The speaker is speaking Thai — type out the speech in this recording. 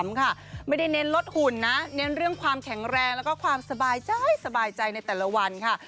ไม่ได้เน้นลดหุ่นนะเน้นเรื่องความแข็งแรงแล้วก็ความสบายใจสบายใจในแต่ละวันค่ะ